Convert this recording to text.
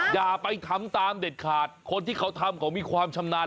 อย่าไปทำตามเด็ดขาดคนที่เขาทำเขามีความชำนาญ